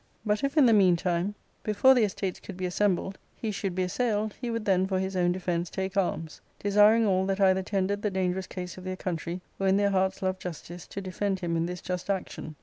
But if in the meantime, before the estates could be assembled, he should be assailed, he would then for his own defence take arms ; desiring all that either tendered the dangerous case of their country or in their hearts loved justice to defend him in this just action.